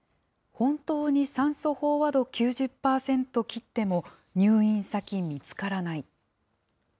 本当に酸素飽和度９０％切っても入院先見つからない。